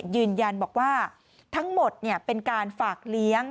ยืนยันบอกว่าทั้งหมดเป็นการฝากเลี้ยง